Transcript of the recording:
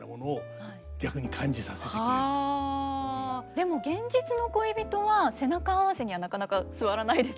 でも現実の恋人は背中合わせにはなかなか座らないですよね。